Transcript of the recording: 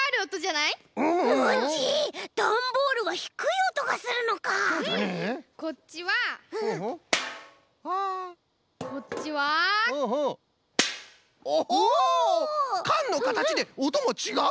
おお！かんのかたちでおともちがうんじゃな。